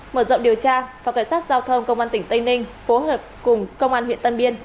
mở rộng điều tra phòng cảnh sát giao thông công an tỉnh tây ninh phối hợp cùng công an huyện tân biên